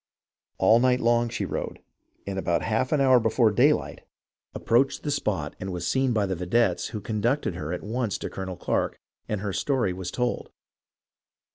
All night long she rode, and about half an hour before daylight approached the 358 HISTORY OF THE AMERICAN REVOLUTION spot and was seen by the vedettes, who conducted her at once to Colonel Clarke, and her story was told.